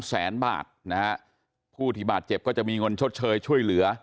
แสนบาทนะฮะผู้ที่บาดเจ็บก็จะมีเงินชดเชยช่วยเหลือ